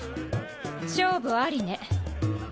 勝負ありね。